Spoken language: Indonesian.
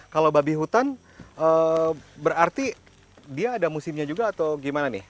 kalau babi hutan berarti dia ada musimnya juga atau gimana nih